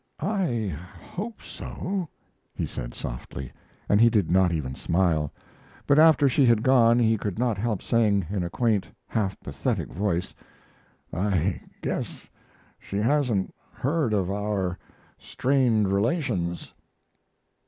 "I hope so," he said, softly, and he did not even smile; but after she had gone he could not help saying, in a quaint, half pathetic voice "I guess she hasn't heard of our strained relations."